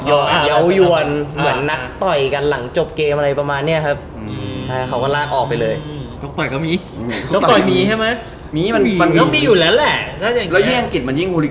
แล้วก๊ายก็มาลากตัวออกไปเลย